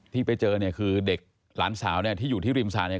ที่ไปเจอเนี่ยคือเด็กหลานสาวที่อยู่ที่ริมศาสตร์